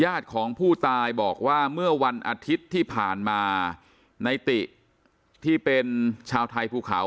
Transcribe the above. ญาติของผู้ตายบอกว่าเมื่อวันอาทิตย์ที่ผ่านมาในติที่เป็นชาวไทยภูเขา